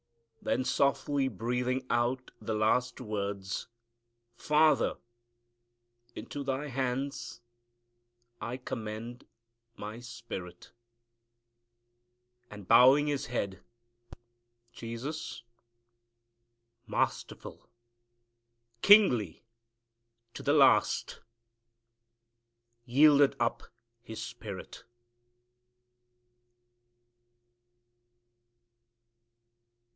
Then softly breathing out the last words, "Father, into Thy hands I commend My spirit," and bowing His head, Jesus, masterful, kingly to the last, yielded up His spirit.